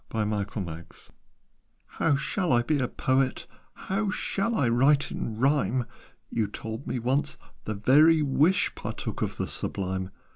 "How shall I be a poet? How shall I write in rhyme? You told me once 'the very wish Partook of the sublime.'